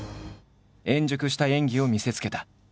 円熟した演技を見せつけた。